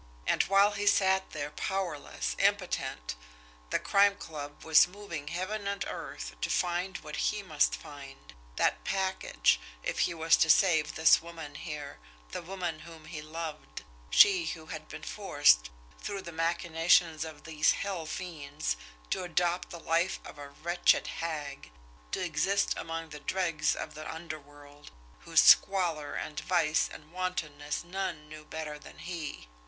And while he sat there powerless, impotent, the Crime Club was moving heaven and earth to find what HE must find that package if he was to save this woman here, the woman whom he loved, she who had been forced, through the machinations of these hell fiends, to adopt the life of a wretched hag, to exist among the dregs of the underworld, whose squalour and vice and wantonness none knew better than he!